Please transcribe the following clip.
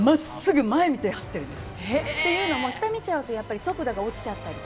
トムは真っすぐ前を見て走ってるんです。